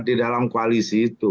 di dalam koalisi itu